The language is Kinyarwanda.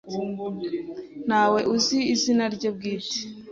Ntawe uzi izina rye bwite.